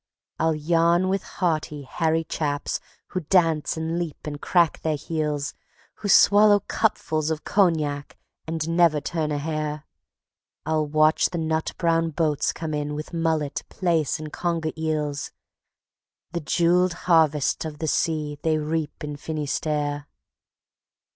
I'll yarn with hearty, hairy chaps who dance and leap and crack their heels; Who swallow cupfuls of cognac and never turn a hair; I'll watch the nut brown boats come in with mullet, plaice and conger eels, The jeweled harvest of the sea they reap in Finistère.